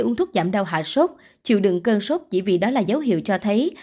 uống thuốc giảm đau hạ sốt chịu đựng cơn sốt chỉ vì đó là dấu hiệu cho thấy